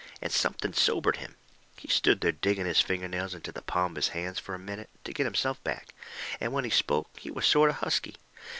And something sobered him. He stood there digging his finger nails into the palms of his hands fur a minute, to get himself back. And when he spoke he was sort of husky.